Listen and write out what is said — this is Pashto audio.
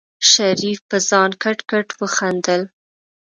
شريف په ځان کټ کټ وخندل.